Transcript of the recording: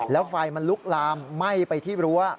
แล้วไฟมันลุกลามไหม้ไปที่รั้ว